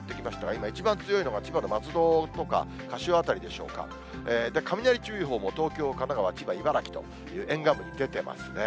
今、一番強いのが千葉の松戸とか、柏辺りでしょうか、雷注意報も、東京、神奈川、千葉、茨城という、沿岸部に出てますね。